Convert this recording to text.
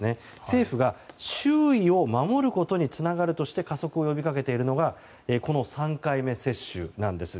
政府が周囲を守ることにつながるとして加速を呼び掛けているのがこの３回目接種です。